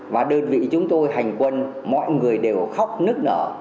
và đơn vị chúng tôi hành quân mọi người đều khóc nức nở